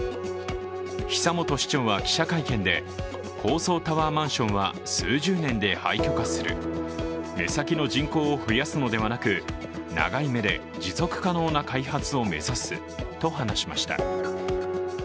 久元市長は記者会見で、高層タワーマンションは数十年で廃虚化する、目先の人口を増やすのではなく、長い目で持続可能な開発を目指すと話しました。